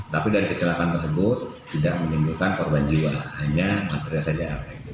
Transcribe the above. tapi dari kecelakaan tersebut tidak menimbulkan korban jiwa hanya material saja